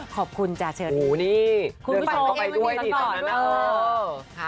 ขอบคุณจ้าเชิญโอ้นี่คุณผู้ชมเข้าไปด้วยดิตอนนั้นนะ